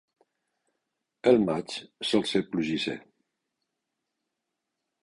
El maig sol ésser plugisser.